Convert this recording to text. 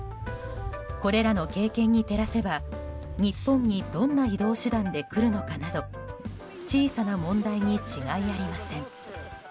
これらの経験に照らせば日本にどんな移動手段で来るのかなど小さな問題に違いありません。